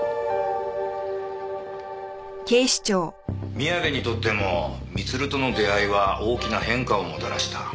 宮部にとっても光留との出会いは大きな変化をもたらした。